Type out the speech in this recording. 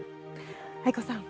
藍子さん